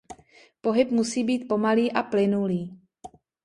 Pohyb musí být pomalý a plynulý.